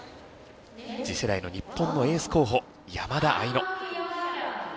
次世代の日本のエース候補山田愛乃。